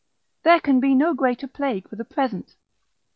There can be no greater plague for the present.